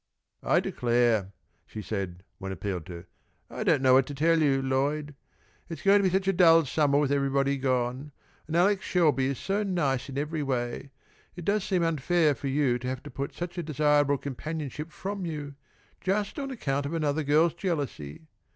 "I declare," she said, when appealed to, "I don't know what to tell you, Lloyd. It's going to be such a dull summer with everybody gone, and Alex Shelby is so nice in every way, it does seem unfair for you to have to put such a desirable companionship from you just on account of another girl's jealousy.